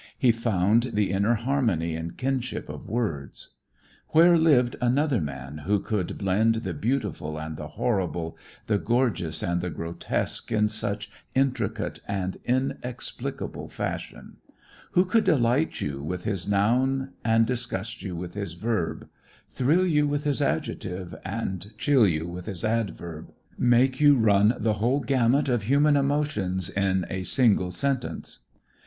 He found the inner harmony and kinship of words. Where lived another man who could blend the beautiful and the horrible, the gorgeous and the grotesque in such intricate and inexplicable fashion? Who could delight you with his noun and disgust you with his verb, thrill you with his adjective and chill you with his adverb, make you run the whole gamut of human emotions in a single sentence?